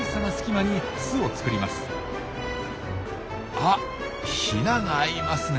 あっヒナがいますね。